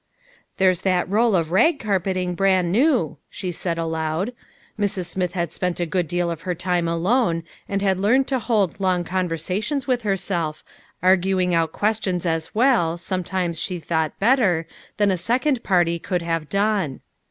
" There's that roll of rag carpeting, bran new," she said aloud ; Mrs. Smith had spent a good deal of her time alone and had learned to hold long conversations with herself, arguing out questions as well, sometimes she thought better, than a second party could have done.